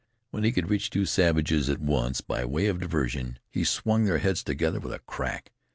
When he could reach two savages at once, by way of diversion, he swung their heads together with a crack.